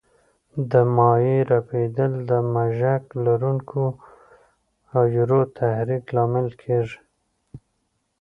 د مایع رپېدل د مژک لرونکو حجرو تحریک لامل کېږي.